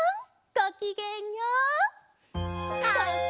ごきげんよう！